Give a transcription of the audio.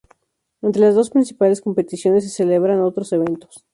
Entre las dos principales competiciones, se celebran otros eventos.